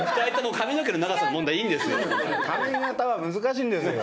髪形は難しいんですよ。